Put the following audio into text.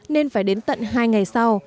nên phải đến tận hai ngày sau